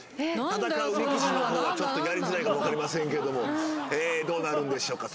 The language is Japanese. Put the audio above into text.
戦う力士の方はちょっとやりづらいかも分かりませんけどもどうなるんでしょうか？